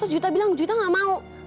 terus juwita bilang juwita gak mau